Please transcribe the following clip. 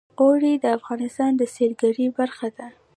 اوړي د افغانستان د سیلګرۍ برخه ده.